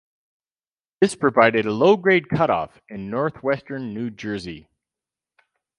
This provided a low-grade cutoff in northwestern New Jersey.